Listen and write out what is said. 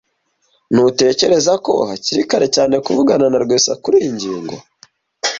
Ntutekereza ko hakiri kare cyane kuvugana na Rwesa kuriyi ngingo?